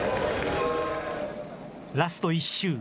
ラスト１周。